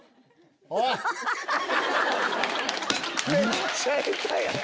めっちゃ下手やん！